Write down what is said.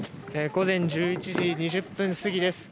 午前１１時２０分過ぎです。